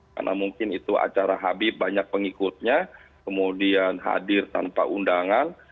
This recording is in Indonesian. karena mungkin itu acara habib banyak pengikutnya kemudian hadir tanpa undangan